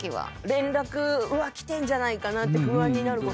連絡来てんじゃないかなって不安になることとか。